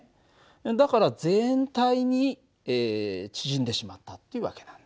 だから全体に縮んでしまったっていう訳なんだ。